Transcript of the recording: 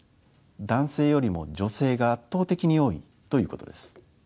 男性よりも女性が圧倒的に多いということです。